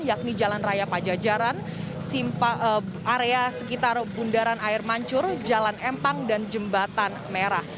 yakni jalan raya pajajaran area sekitar bundaran air mancur jalan empang dan jembatan merah